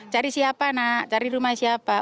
cari siapa nak cari rumah siapa